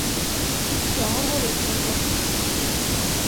Jag har hållit vårt löfte.